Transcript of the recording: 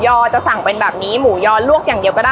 มีขอเสนออยากให้แม่หน่อยอ่อนสิทธิ์การเลี้ยงดู